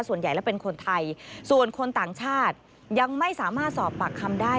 ส่วนใหญ่แล้วเป็นคนไทยส่วนคนต่างชาติยังไม่สามารถสอบปากคำได้